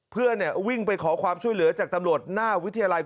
เพื่อนวิ่งไปขอความช่วยเหลือจากตำรวจหน้าวิทยาลัย